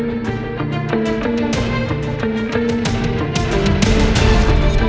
rasanya tadi pintu gue kunci